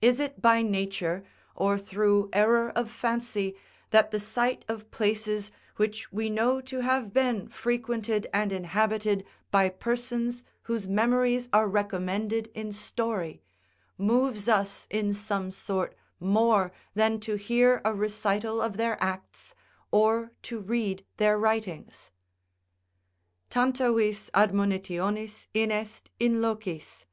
Is it by nature, or through error of fancy, that the sight of places which we know to have been frequented and inhabited by persons whose memories are recommended in story, moves us in some sort more than to hear a recital of their acts or to read their writings? "Tanta vis admonitionis inest in locis....